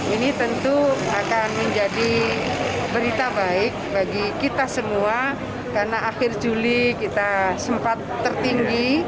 ini tentu akan menjadi berita baik bagi kita semua karena akhir juli kita sempat tertinggi